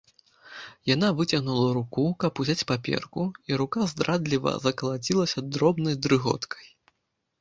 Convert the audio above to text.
Яна выцягнула руку, каб узяць паперку, і рука здрадліва закалацілася дробнай дрыготкай.